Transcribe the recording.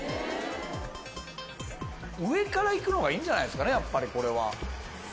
上から行くのがいいんじゃないですかねこれは。